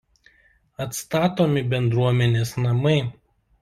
Atstatomi bendruomenės namai.